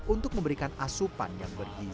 untuk memberikan asupan yang bergizi